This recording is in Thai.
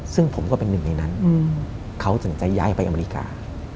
ซึ่งผมก็เป็นหนึ่งในนั้นเขาถึงจะย้ายไปอเมริกา